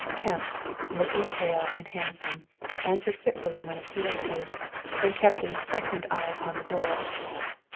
Kemp, looking pale and handsome, answered fitfully when appealed to, and kept an expectant eye upon the door.